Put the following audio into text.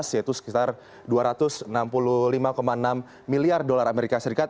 yaitu sekitar dua ratus enam puluh lima enam miliar dolar amerika serikat